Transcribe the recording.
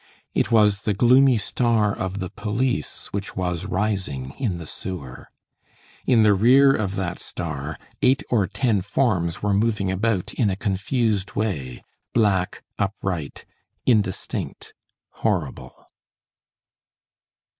It was the gloomy star of the police which was rising in the sewer. In the rear of that star eight or ten forms were moving about in a confused way, black, upright, indistinct, horrible.